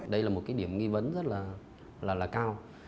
đây là một cái điểm nghi vấn rất là cao